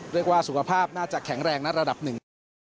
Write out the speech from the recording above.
เรียกว่าสุขภาพน่าจะแข็งแรงนักระดับหนึ่ง